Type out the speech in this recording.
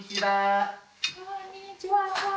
こんにちは。